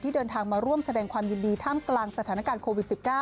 เดินทางมาร่วมแสดงความยินดีท่ามกลางสถานการณ์โควิด๑๙